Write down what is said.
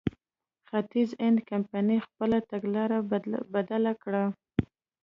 ختیځ هند کمپنۍ خپله تګلاره بدله کړه.